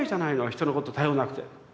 人のこと頼らなくて」。